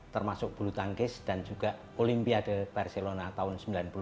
termasuk bulu tangkis dan juga olimpiade barcelona tahun sembilan puluh dua